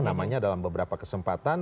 namanya dalam beberapa kesempatan